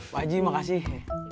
pak jik makasih